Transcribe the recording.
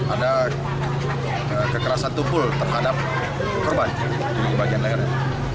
ada kekerasan tubuh terhadap korban di bagian layarnya